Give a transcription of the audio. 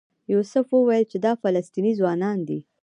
یوسف وویل چې دا فلسطینی ځوانان دي.